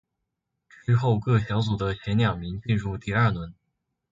之后各小组的前两名进入第二轮。